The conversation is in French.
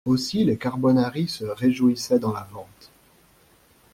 Aussi les carbonari se réjouissaient dans la Vente.